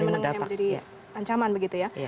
menengah yang menjadi ancaman begitu ya